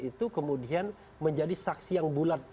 itu kemudian menjadi saksi yang bulat